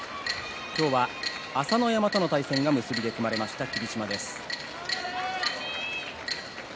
今日は朝乃山との対戦が結びで組まれました霧島です。